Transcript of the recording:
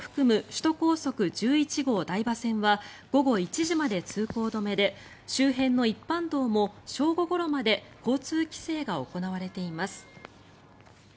首都高速１１号台場線は午後１時まで通行止めで周辺の一般道も正午ごろまで交通規制が行われています。